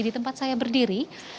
di tempat saya berdiri